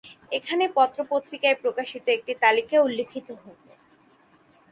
এখানে পত্রপত্রিকায় প্রকাশিত একটি তালিকা উল্লেখিত হল।